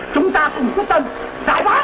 chúng ta không xúc tân